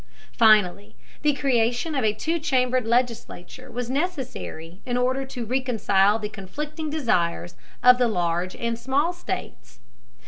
Finally, the creation of a two chambered legislature was necessary in order to reconcile the conflicting desires of the large and the small states.